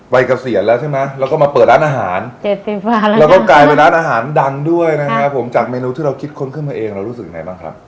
เกษียณแล้วใช่ไหมแล้วก็มาเปิดร้านอาหาร๗๐วันแล้วก็กลายเป็นร้านอาหารดังด้วยนะครับผมจากเมนูที่เราคิดค้นขึ้นมาเองเรารู้สึกยังไงบ้างครับ